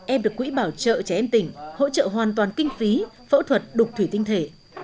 em được quỹ bảo trợ trẻ em tỉnh hỗ trợ hoàn toàn kinh phí phẫu thuật đục thủy tinh thể